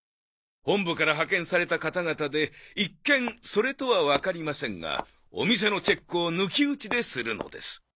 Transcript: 本部から派遣された方々で一見それとはわかりませんがお店のチェックを抜き打ちでするのです。